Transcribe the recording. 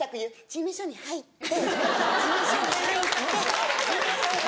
事務所に入って事務所に入って。